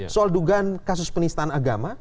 soal dugaan kasus penistaan agama